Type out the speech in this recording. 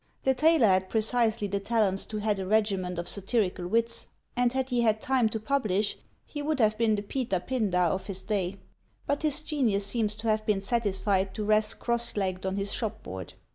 The tailor had precisely the talents to head a regiment of satirical wits; and had he had time to publish, he would have been the Peter Pindar of his day; but his genius seems to have been satisfied to rest cross legged on his shopboard.